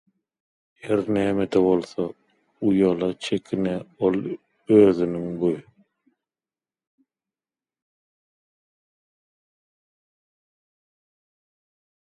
Her näme-de bolsa, uýala-çekine ol özüniň bu